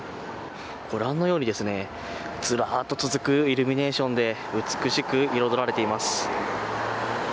ご覧のようにずらっと続くイルミネーションで美しく彩られています。